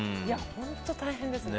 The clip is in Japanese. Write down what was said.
本当、大変ですよね。